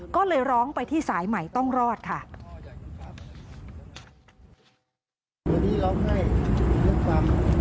ก็เลยร้องไปที่สายใหม่ต้องรอดค่ะ